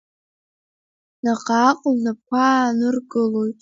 Наҟааҟ лнапқәа ааныркылоит.